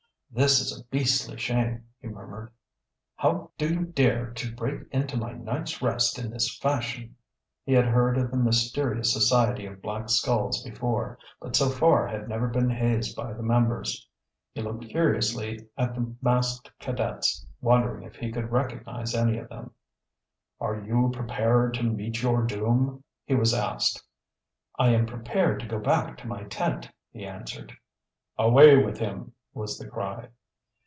"This is a beastly shame," he murmured. "Why do you dare to break into my night's rest in this fashion?" He had heard of the mysterious society of Black Skulls before, but so far had never been hazed by the members. He looked curiously at the masked cadets, wondering if he could recognize any of them. "Are you prepared to meet your doom?" he was asked. "I am prepared to go back to my tent," he answered. "Away with him!" was the cry.